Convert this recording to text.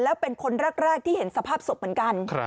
แล้วเป็นคนแรกที่เห็นสภาพศพเหมือนกัน